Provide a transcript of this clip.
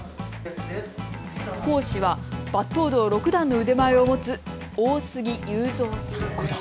講師は抜刀道六段の腕前を持つ大杉雄造さん。